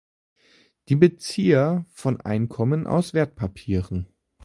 Die Bezieher von Einkommen aus Wertpapieren?